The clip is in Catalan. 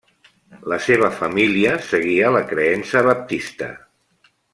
La seva família seguia la creença baptista.